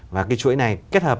và cái chuỗi này kết hợp